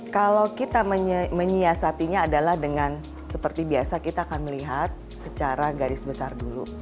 kalau kita menyiasatinya adalah dengan seperti biasa kita akan melihat secara garis besar dulu